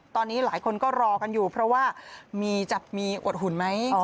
ตอนนี้หลายคนก็รอกันอยู่เพราะว่ามีจะมีอดหุ่นไหม